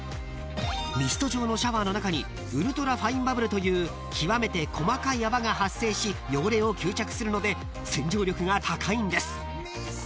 ［ミスト状のシャワーの中にウルトラファインバブルという極めて細かい泡が発生し汚れを吸着するので洗浄力が高いんです］